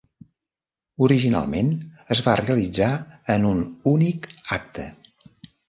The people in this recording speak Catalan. Originalment es va realitzar en un únic acte.